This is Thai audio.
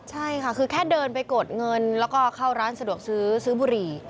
ใช่ค่ะคือแค่เดินไปกดเงินแล้วก็เข้าร้านสะดวกซื้อซื้อบุหรี่